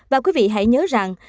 và quý vị hãy nhớ rằng